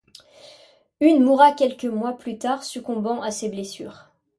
Une mourra quelques mois plus tard succombant à ses blessures.